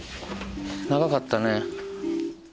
長かったね。